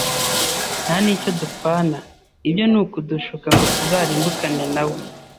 ntanicyo dupfana ibye ni ukudushuka ngo tuzarimbukane nawe.